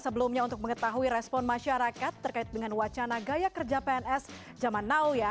sebelumnya untuk mengetahui respon masyarakat terkait dengan wacana gaya kerja pns zaman now ya